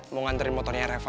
mau nganterin motornya reva